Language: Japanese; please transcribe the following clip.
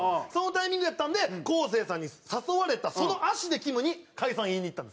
そのタイミングやったんで昴生さんに誘われたその足できむに解散言いに行ったんです。